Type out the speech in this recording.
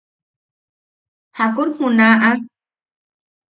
¿Jakun junaʼa?